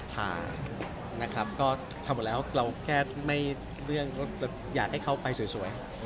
ทำหมดแล้วเราแค่ไม่เลื่อนอยากให้เขาไปสวย